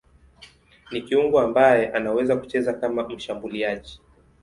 Ni kiungo ambaye anaweza kucheza kama mshambuliaji.